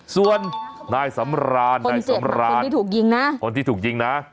ส่วนนายสำรานคนเจ็บขวัญคนที่ถูกยิงนะ